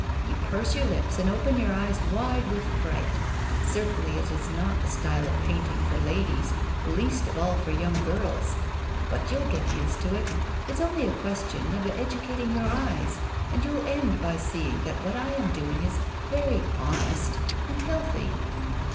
You purse your lips and open your eyes wide with fright. Certainly it is not the style of painting for ladies, least of all for young girls. But you'll get used to it; it's only a question of educating your eyes and you'll end by seeing that what I am doing is very honest and healthy.